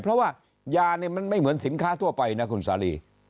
เพราะว่ายาเนี่ยมันไม่เหมือนสินค้าทั่วไปนะคุณสาลี